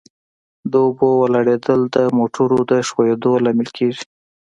د اوبو ولاړېدل د موټرو د ښوئیدو لامل کیږي